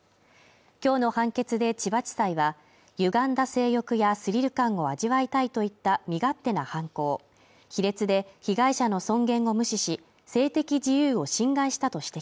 きょうの判決で千葉地裁は歪んだ性欲やスリル感を味わいたいといった身勝手な犯行卑劣で被害者の尊厳を無視し性的自由を侵害したと指摘